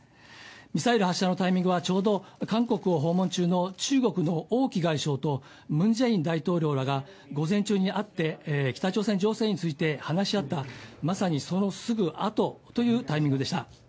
ミサイル発射のタイミングは、ちょうど韓国を訪問中の中国の王毅外相とムン・ジェイン大統領らが午前中に会って、北朝鮮情勢について話し合った、まさにそのすぐあとというタイミングでした。